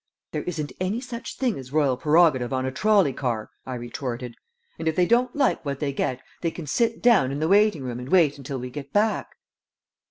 "There isn't any such thing as royal prerogative on a trolley car," I retorted, "and if they don't like what they get they can sit down in the waiting room and wait until we get back."